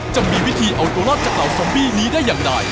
จะมีวิธีเอาตัวรอดจากเต่าซอมบี้นี้ได้อย่างไร